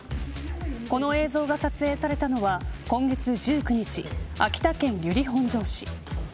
この映像が撮影されたのは今月１９日秋田県由利本荘市。